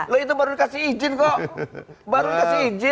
loh itu baru dikasih izin kok baru dikasih izin